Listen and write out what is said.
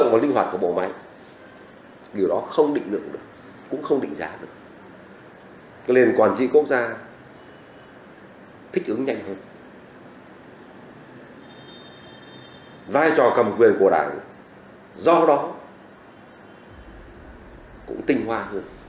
vai trò cầm quyền của đảng do đó cũng tinh hoa hơn